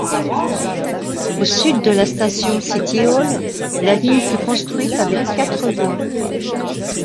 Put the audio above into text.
Au sud de la station City Hall, la ligne fut construite avec quatre voies.